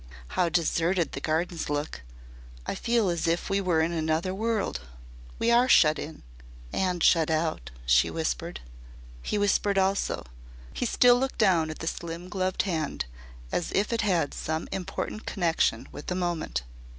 How deserted the Gardens look. I feel as if we were in another world. We are shut in and shut out," she whispered. He whispered also. He still looked down at the slim gloved hand as if it had some important connection with the moment.